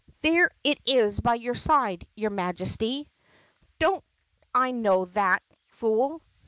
"There it is by your side, your Majesty." "Don't I know that, fool?